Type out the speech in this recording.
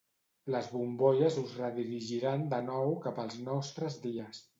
Les bombolles us redirigiran de nou cap als nostres dies.